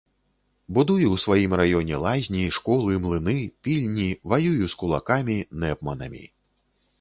Будую ў сваім раёне лазні, школы, млыны, пільні, ваюю з кулакамі, нэпманамі.